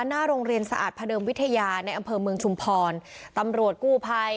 หน้าโรงเรียนสะอาดพระเดิมวิทยาในอำเภอเมืองชุมพรตำรวจกู้ภัย